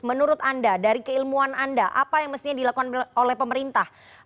menurut anda dari keilmuan anda apa yang mestinya dilakukan oleh pemerintah